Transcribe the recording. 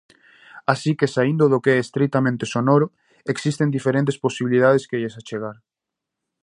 Así que, saíndo do que é estritamente sonoro, existen diferentes posibilidades que lles achegar.